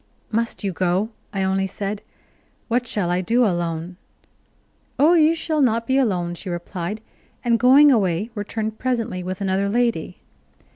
"Must you go?" I only said. "What shall I do alone?". "Oh, you shall not be alone," she replied, and going away returned presently with another lady.